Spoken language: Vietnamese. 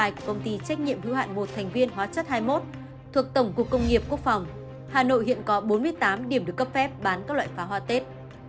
thuộc tổng cục công nghiệp quốc phòng hà nội hiện có bốn mươi tám điểm được cấp phép bán các loại pháo hoa tết